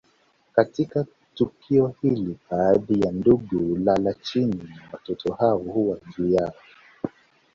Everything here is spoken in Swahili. Katika tukio hilo baadhi ya ndugu hulala chini na watoto hao huwa juu yao